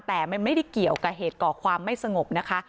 แต่มันไม่ได้เกี่ยวกับเหตุก่อความไม่สงบนะคะ